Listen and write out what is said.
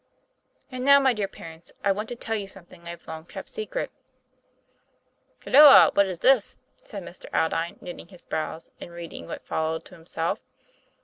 And now, my dear parents, I want to tell you some thing I have long kept secret. " Halloa! what is this?" said Mr. Aldine, knitting his brows, and reading what followed to himself.